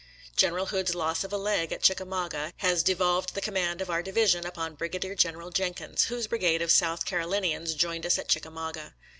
General Hood's loss of a leg at Chickamauga has devolved the command of our division upon Brigadier General Jenkins, whose brigade of South Carolinians joined us at Chickamauga.